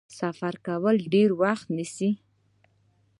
سفر کول ډیر وخت نیسي.